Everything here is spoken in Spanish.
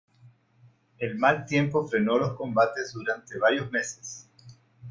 El mal tiempo frenó los combates durante varios meses.